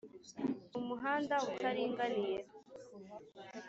Umuhanda utaringaniye